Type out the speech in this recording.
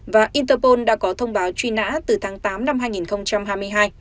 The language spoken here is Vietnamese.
và interpol đã có thông báo truy nã từ tháng tám năm hai nghìn hai mươi hai